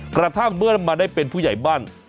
กระทั่งเมื่อมาได้เป็นผู้ใหญ่บ้าน